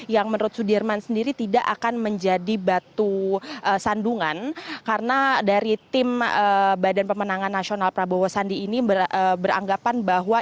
yang menurut sudirman sendiri tidak akan menjadi batu sandungan karena dari tim badan pemenangan nasional prabowo sandi ini beranggapan bahwa